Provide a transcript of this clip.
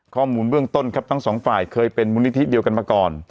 ข้อมูลเบื้องต้นครับทั้งสองฝ่ายเคยเป็นมูลนิธิเดียวกันมาก่อน